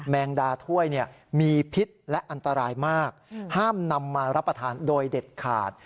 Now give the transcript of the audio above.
แมงดาถ้วยมีพิษและอันตรายมากห้ามนำมารับประทานโดยเด็ดขาด